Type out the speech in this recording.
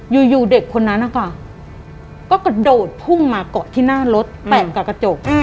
อยู่เด็กคนนั้นนะคะก็กระโดดพุ่งมาเกาะที่หน้ารถแตะกับกระจก